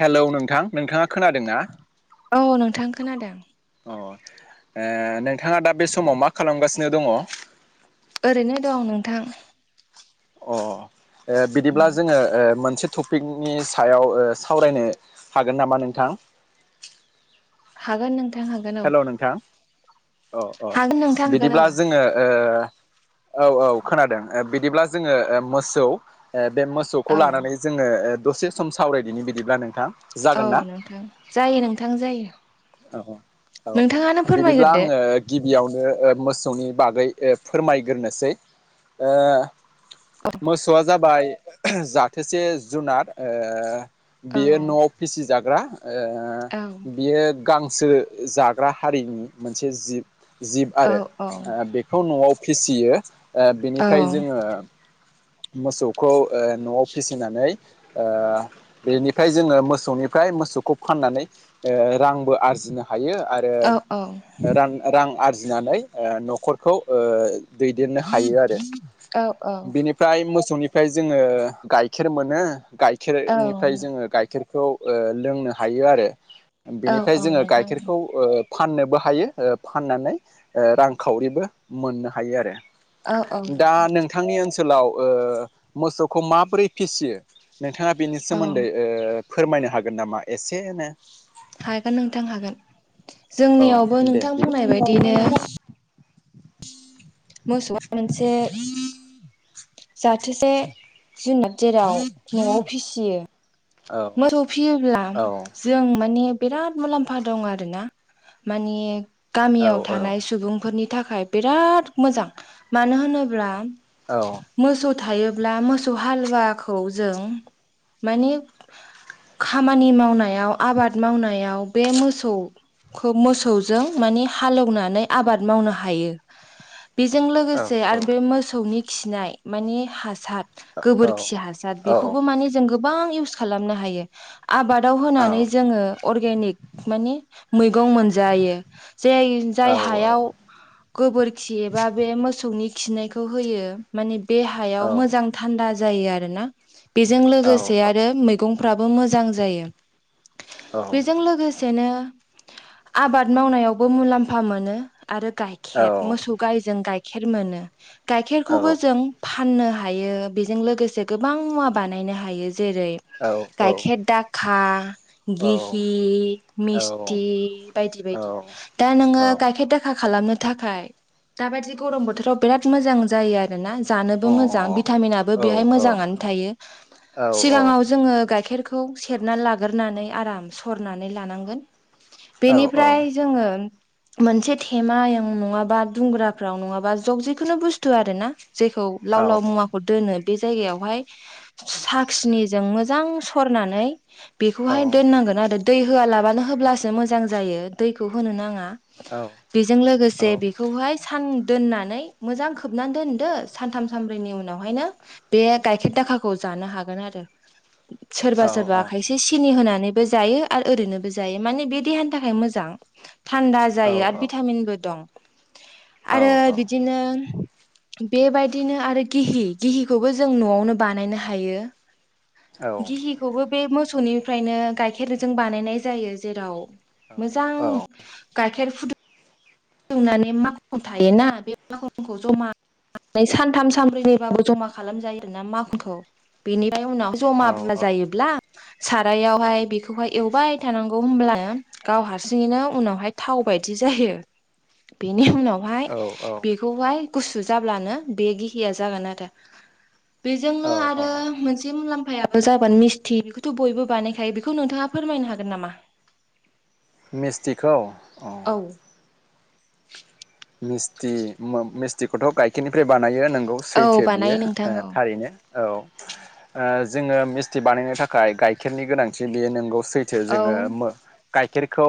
Hello नोंथां नोंथाङा खोनादोंना? औ नोंथां खोनादों। ओ नोंथाङा दा बे समाव मा खालामगासिनो दङ? ओरैनो दं नोंथां। अ बिदिब्ला जोङो मो नसे टपिकनि सायाव सावरायनो हागोन नामा नोंथां? हागोन नों हेल' नोंथां औ औ हागोन नोंथां हागोन बिदिब्ला जोङो ओ औ औ खोनादों बिदिब्ला जोङो ओ मोसौ बे मोसौखौ औ लानानै जोङो दसे सम सावरायदिनि बिदिब्ला नोंथां औ जागोन ना? नोंथां जायो नोंथां औ जायो। औ नोंथाङानो बिदिब्ला फोरमायग्रोदो आङो गिबियावनो ओ मोसौनि बागै फोरमायग्रोसै ओ मोसौवा जाबाय जाथोसे जुनार औ बेयो नवाव फिसिजाग्रा ओ औ बियो गांसो जाग्रा हारिनि मोनसे जिब जिब औ आरो औ ओ बेखौ नवाव फिसियो। ओ औ बिनिफ्राय जोङो मोसौखौ ओ नवाव फिसिनानै ओ बेनिफ्राय जोङो मोसौनिफ्राय मोसौखौ फाननानै रांबो आरजिनो हायो आरो औ रां रां आं आरजिनानै ओ न'खरखौ ओ दैदेननो हायो आरो बेनिफ्राय मो सौनिफ्राय जोङो गाइखेर मोनो औ गाइखेरनिफ्राय जोङो गाइखेर खौ लोंनो हायो आरो औ बेनिफ्राय औ जोङो नोंथां गाइखेर ओ फाननोबो हायो ओ फाननानै रांखावरिबो मोननो हायो आरो औ औ दा नोंथां नोंथांनि ओन सोलाव मोसौखौ माबोरै फिसियो नोंथाङा बेनि औ सोमोन्दै ओ फोरमायनो हागोन नामा एसेनो हागोन नोंथां हागोन औ जोंनियावबो दे नोंथां औ बुंनाय बायदिनो मोसौवा मोनसे। जाथोसे जुनाद जेराव नवाव फिसियो। मोसौ फिसियोब्ला औ जों माने बिराद मुलाम्फा दं आरोना मानि औ गामियाव थानाय सुबुंफोरनि नि थाखाय बिराद मोजां मानो होनोब्ला। औ। मोसौ थायोब्ला मोसौ हालुवाखौ जों माने। खामानि मावनायाव आबाद मावनायाव बे मोसौ। खौ मोसौजों माने हालेवनानै आबाद मावनो हायो। बेजों औ लोगोसे आरो बे मोसौनि खिनाय माने हासार। गोबोरखि हासार बेखौबो औ माने जों गोबां इउस खालामनो हायो। आबादाव होनानै जोङो अरगेनिक माने मैगं मोनजायो। जाय जाय हायाव गोबोरखि एबा बे मोसौनि। खिनायखौ होयो माने बे हायाव मोजां थान्दा जायो आरो ना। बेजों औ लोगोसे आरो मैगंफ्राबो मोजां जायो। औ औ बेजों लोगोसेनो आबाद मावनायावबो मुलाम्फा मोनो। आरो औ अ औ गाइखेर मोसौ गाइजों गाइखेर मोनो गाइखेरखौबो जों। फाननो हायो बेजों लोगोसे गोबां मुवा बानायनो हायो। जेरै गाइखेर दाखा। गिहि मिस्थि बायदि बायदि दा नोङो गाइखेर दाख खालामनो थाखाय दााबायदि गरम बोथोराव बिराद मोजां जायो आरो ना? जानोबो मोजां भिटामिनाबो बेवहाय मोजाङैनो थायो सिगाङाव जोङो गाइखेर। खौ सेरना लाग्रोनानै आराम सरनानै लानांगोन बेनिफ्राय जोङो। मोनसे थेमायाव नङाबा दुंग्राफोराव नङाबा जग जिखुनु बुस्थु आरो ना जेखौ लाव लाव मुवाखौ दोनो। बे जायगायावहाय साखिनिजों मोजां सरनानै। बेखौहाय दोननांगोन आरो दै होआलाबानो होब्लासो मोजां जायो दैखौ होनो नाङा। बेजों लोगोसे बेखौहाय सान दोननानै मोजां खोबनानै दोन। दो सानथाम सानब्रैनि उनावहायनो बे गाइखेर दाखाखौ जानो हागोन आरो सोरबा सोरबा खायसे सिनि होनानै। बो जायो आरो ओरैनोबो जायो माने बे देहानि थाखाय मोजां। थान्दा जायो आरो भिटामिनबो दं। आरो बिदिनो। बेबायदिनो आरो गिहि गिहिखौबो जों न'आवनो बानायनो हायो। औ गिहिखौबो बे मोसौनिफ्रायनो गाइखेरजों बानायनाय जायो जेराव। मोजां गाइखेर फुदुं। सोंनानै माखन थायोना बे माखनखौ जमा। सानथाम सानब्रैनिबाबो जमा खालामजायो आरोना माखनखौ बेनि ओमफ्राय उनाव जमा बुरजा जायोब्ला। सारायावहाय बेखौहाय एवबाय थानांगौ होनोमब्लानो गाव हारसिङैनो उनावहाय थाव बायदि। जायो बेनि उनावहाय औ औ औ बेखौहाय गुसु जाब्लानो बे गिहिया जागोन आरो बेजोंनो आरो मोनसे मुलाम्फा। आफायाबो जाबोन मिस्थि बेखौथ बयबो बानायखायो बेखौ नोंथाङा फोरमायनो हागोन नामा। मिस्थिखौ। औ। मिस्थि मिस्थिखौथ गाइखेरनिफ्राय बानायो नों। गौ औ सैथो बानायो बियो नोंथां औ थारैनो। औ जोङो मिस्थि बानायनो थाखाय गाइखेरनि गोनांथि बेयो नंगौ। सैथो औ जोङो गाइेरखौ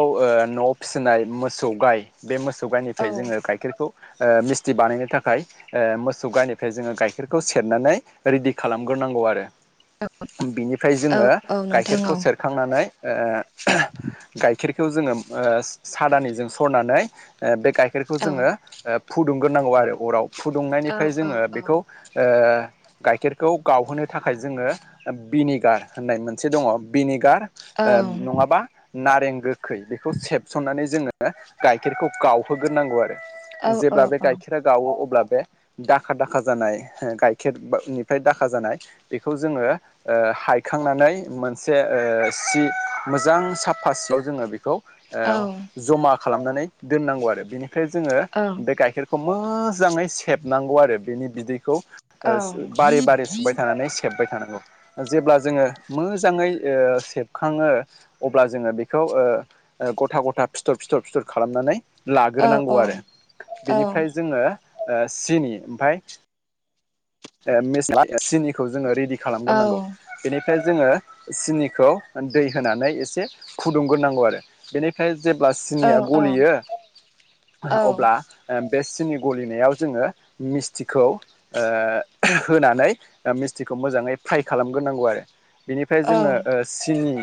न'वाव फिसिनाय मोसौ गाय बे मोसौ। सौ गायनिफ्राइ औ जोङो गाइखेरखौ ओ मिस्थि बानायनो थाखाय ओ मोसौ गाइनिफ्राय जोङो गाइखेरखौ सेरनानै रि दि खालामग्रोनांगौ आरो बिनिफ्राय औ जोङो औ नोंथां औ गाइखेरखौ सेरखांनानै ओ गाइखेरखौ जोङो ओ सादानिजों सरनानै बे गाइ खौ औ जोङो ओ फुदुंग्रोनांगौ आरो अराव औ फुदुंनायनिफ्राय औ जोङो बेखौ ओ औ गाइखेरखौ गावहोनो थाखाय जोङो भिनेगा होननाय मोनसे दङ भिनेगार ओ औ नङाबा नारें गोखै बेखौ सेबसननानै जोङो गाइखेरखौ गावहोग्रोनांगौ औ आरो जेब्ला बे गाइखेरा गावो अब्ला बे दाखा दाखा जानाय गाइखेरनिफ्राय दाखा जानाय बेखौ जोङो ओ हायखांनानै मोनसे ओ सि मोजां साफा सियाव जोङो बे खौ ओ जमा खालामनानै दोननांगौ आरो बेनिफ्राय जोङो बे गाइखेरखौ मोजाङै सेबनांगौ आरो बेनि बिदै खौ ओ बारे बारे सुबाय थानानै सेबबाय थानांगौ जेब्ला जोङो मोजाङै ओ सेबखाङो अब्ला जोङो बेखौ ओ ओ गथा गथा फिथर फिथर फिथर खालामनानै लाग्रोनांगौ आरो बेनिफ्राय जोङो ओ सिनि ओमफ्राय [unintelligible] सिनिखौ जोङो रेडि खालामग्रोनांगौ बेनिफ्राय जोङो सिनिखौ दै होनानै एसे फुदुंग्रोनांगौ आरो बेनिफ्राय जेब्ला सिनिया गलियो औ अब्ला बे सिनि गलिनायाव जोङो मिस्थिखौ ओ होनानै मिस्थिखौ मोजाङै फ्राय खालामग्रोनांगौ आरो बेनिफ्राय जोङो ओ सिनि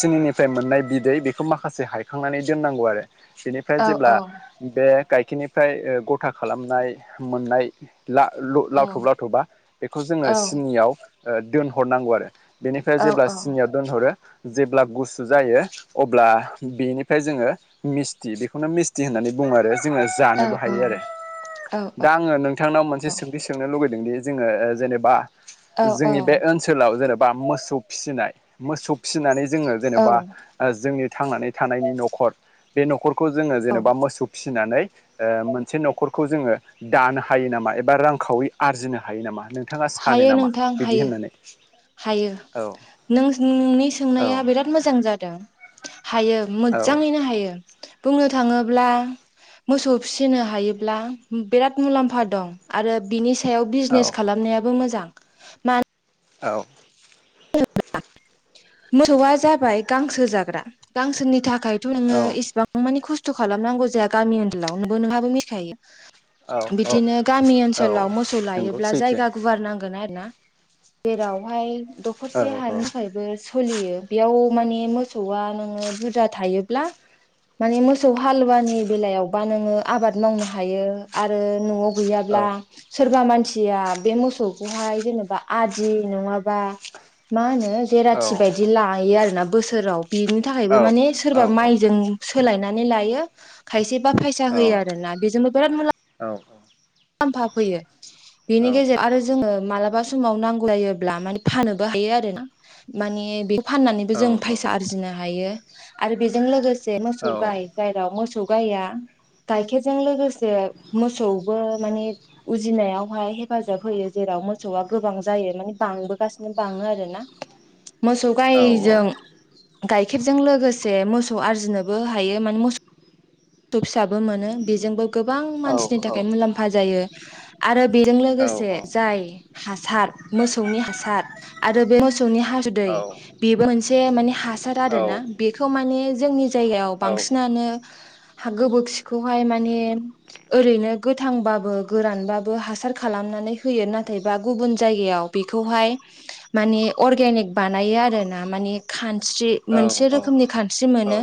सिनिनिफ्राय मोननाय बिदै बेखौ माखासे हायखांनानै दोननांगौ आरो बेनिफ्राय जेब्ला बे गाइखेरनिफ्राय ओ गथा खालामनाय मोननाय ला ल लावथब लावथबा बेखौ जोङो सिनियाव दोनहरनांगौ आरो बेनिफ्राय जेब्ला सिनियाव दोनहरो जेब्ला गुसु जायो अब्ला बेनिफ्राय जोङो मिस्थि बेखौनो मिस्थि होननानै बुङो आरो जोङो जानोबो हायो आरो दा आङो नोंथांनाव मोनसे सोंथि सोंनो लुगै दि जोङो जेनेबा जोंनि बे ओनसोलाव जेने बा मोसौ फिसिनाय मोसौ फिसिनानै जोङो जेनेबा जोंनि थांनानै थानायनि न'खर बे न'खरखौ जोङो औ जेनेबा मोसौ फि फिनानै ओ मोनसे न'खरखौ जोङो दानो हायो नामा एबा रां खावरि आरजिनो हायो नामा नोंथाङा सानो हायो नामा नोंथां बिदि हायो होननानै हायो औ नों नोंनि औ सोंनाया बिराद मोजां जादों हायो औ मोजाङैनो हायो बुंनो थाङोब्ला मोसौ फिसिनो हायोब्ला बिराद मुलाम्फा दं आरो बिनि सायाव औ बिजनेस खालामनायाबो मोजां मानो औ [unintelligible] मोसौआ जाबाय गांसो जाग्रा गांसोनि था खायथ' नोङो औ इसेबां मानि खस्थ' खालामनांगौ जाया गामि ओनसोलाव औ [unintelligible] औ बिदिनो गामि औ ओनसोलाव मोसौ नंगौ लायोब्ला सैथो जायगा गुवार नांगोन आरो ना जेरावहाय औ दखरसे औ हानि थाखायबो सलियो बेयाव माने मोसौआ नोङो बुरजा थायोब्ला माने मोसौ हालुवानि बेलायावबा नोङो आबाद मावनो हायो आरो न'आव औ गैयाब्ला सोरबा मान सिया बे मोसौखौहाय जेनेबा आदि नङाबा मा होनो औ जेराथि बायदि लायो आरोना बोसोराव बिनि थाखायबो माने औ सोरबा औ माइजों सोलायनानै लायो खायसेबा फैसा होयो आरोना बेजोंबो बिराद मुलाम लाम्फा फैयो बेनि गेजेर आरो जोङो माला माबा समाव नांगौ जायोब्ला मान फानोबो हायो आरो ना माने बे फाननानैबो जों फायसा आरजिनो हायो आरो बेजों लोगोसे मोसौ गाय जायेराव मोसौ गाया गाइखेरजों लोगोसे मोसौबो माने उजिनायावहाय हेफाजाब होयो जेराव मोसौआ गोबां जायो माने बांबोगासिनो बां आरोना मोसौ गायजों गायखेरजों लोगोसे मोसौ आरजिनोबो हायो माने मोसौ दाबो मोनो बेजोंबो गोबां मानसिनि थाखाय मुलाम्फा जायो आरो। बेजों लोगोसे जाय हासार मोसौनि हासार आरो बे मोसौनि हासुदै बेबो मोनसे मान हासार आरो ना बेखौ माने जोंनि जायगायाव बांसिनानो गोबोरखिखौहाय माने ओरैनो गोथांबाबो गोरानबाबो हासार खालामनानै नानै होयो नाथाय बा गुबुन जायगायाव बेखौहाय माने अरगेनिक बानायो आरो ना। माने खानस्रि मोनसे रोखोमनि खानस्रि ‌मोनो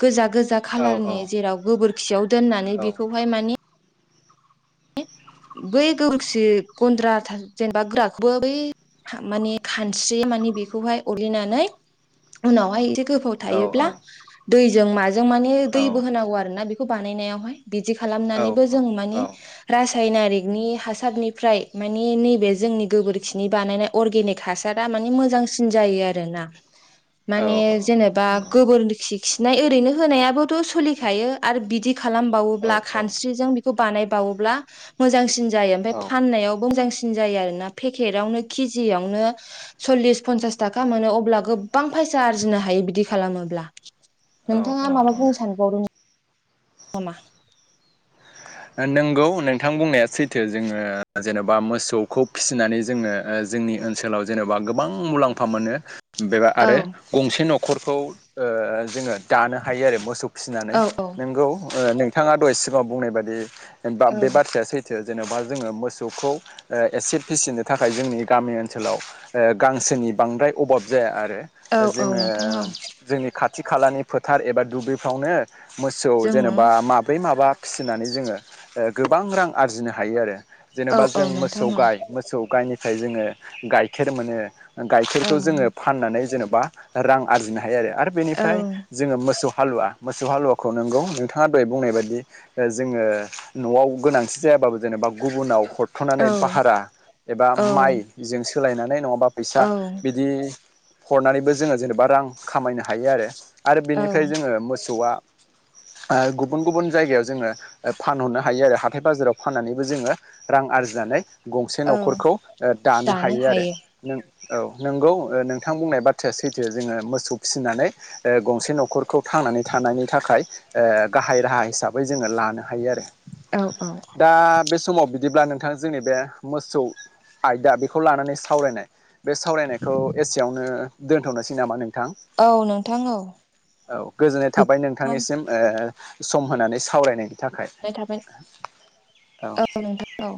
गोजा गोजा खालारनि जेराव गोबोरखियाव दोननानै बेखौहाय मानि बै गोबोरखि गन्द्रा जेनेबा गोराखौबो बै मानि खानस्रि मानि बेखौहाय अरग्लिनानै उनावहाय एसे गोबाव थायोब्ला दैजों माजों माने दैबो होनांगौ आरोना बेखौ बानाय [unintelligible] बिदि खालामनानैबो जों औ माने रासो रासायनारिनि हासारनिफ्राय मानि नैबे जोंनि गोबोरखिनि बानायनाय अर्गेनिक हासारा माने मोजांसिन जायो आरोना। माने जेनेबा नंगौ गोबोर खि खिनाय ओरैनो होनायाबोथ' सोलिखायो आरो बिदि औ खालामबावोब्ला खानस्रिजों बेखौ बानायबावोब्ला मोजांसिन जायो ओमफ्राय फाननायाव मोजांसिन जायो आरोना पेकेटआवनो केजियावनो सल्लिस पनसास थाखा मोनो अब्ला गोबां फैसा आरजिनो हायो बिदि खालामोब्ला औ औ नोंथाङा माबा औ बुंनो सानबावदों नामा? नोंगौ नोंथां बुंनाया सैथो जोङो जेन'बा मोसौखौ फिसिनानै जोङो जोंनि ओनसोलाव जेनेबा गोबां मुलाम्फा मोनो। बेबा औ आरो गंसे न'खरखौ जोङो दानो हायो आरो मोसौ फिसिनानै औ नोंगौ नोंथाङा दहाय सिगाङाव बुंनाय बादि औ बे बाथ्राया सैथो जेन'बा जोङो मोसौखौ एसे फिसिनो थाखाय जोंनि गामि ओनसोलाव गांसोनि नि बांद्राय अभाब जाया आरो औ औ जोङो नोंथां औ जोंनि खाथि खालानि फोथार एबा दुब्लिफ्रावनो मोसौ जोङो जेनेबा माब्रै माबा फिसिनानै जोङो गोबां रां आरजिनो हायो आरो। औ जेनेबा औ जों नोंथां मोसौ औ गाय मोसौ गायनिफ्राय जोङो गाइखेर मोनो। औ गाइखेरखौ जोङो फाननानै जेन'बा रां आरजिनो हायो आरो आरो औ बेनिफ्राय जोङो मोसौ हालुवा मोसौ हालुवाखौ नोंगौ नोंथाङा दहाय बुंनाय बायदि जोङो न'आव गोनांथि जायाबाबो जेनेबा गुबुनाव हर थ'नानै औ भारा एबा औ माइजों सोलायनानै नङाबा फैसा बिदि हरनानैबो जोङो जेनेबा रां खामायनो हायो आरो आरो औ बेनिफ्राय जोङो मोसौआ गुबुन गुबुन जायगायाव जोङो फानहरनो हायो आरो हाथाय बाजाराव फाननानैबो जोङो रां आरजिनानै गंसे औ न'खरखौ दानो हायो आरो नों औ नंगौ नोंथां बुंनाय बाथ्राया सैथो जोङो मोसौ फिसिनानै गंसे न'खरखौ था नानै थानायनि थाखाय गाहाय राहा हिसाबै जोङो लानो हायो आरो। औ औ दा बे समाव बिदिब्ला नोंथाङा जोंनि बे मोसौ आयदा बेखौ लानानै सावरायनाय बे सावरायनायखौ एसेयावनो दोनथ'नोसै नामा नों थां औ नोंथां औ औ गोजोननाय थाबाय बिदिब्ला नोंथांनिसिम सम होनानै सावरायनाय थाखाय गोजोननाय थाबाय औ नोंथां औ